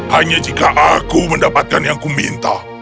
hanya jika aku mendapatkan yang kuminta